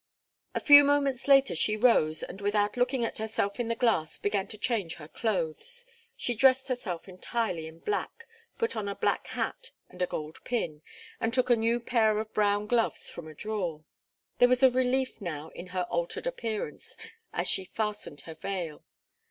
A few moments later she rose, and without looking at herself in the glass, began to change her clothes. She dressed herself entirely in black, put on a black hat and a gold pin, and took a new pair of brown gloves from a drawer. There was a relief, now, in her altered appearance, as she fastened her veil.